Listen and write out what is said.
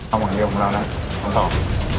เอาหน่อยเดี๋ยวของเราน่ะขอบคุณครับ